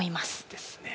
ですね。